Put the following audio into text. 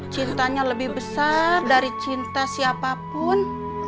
cintanya lebih besar dari cinta siapapun